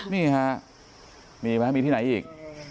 นี่ฮะมีไหมมีที่ไหนอีก